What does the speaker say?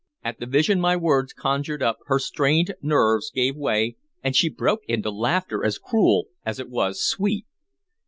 At the vision my words conjured up her strained nerves gave way, and she broke into laughter as cruel as it was sweet.